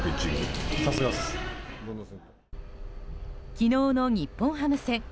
昨日の日本ハム戦。